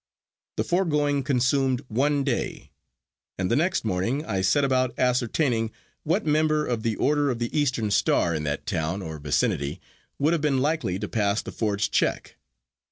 The foregoing consumed one day, and the next morning I set about ascertaining what member of the Order of the Eastern Star in that town or vicinity would have been likely to pass the forged check.